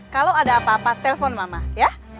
kalau ada apa apa telpon mama ya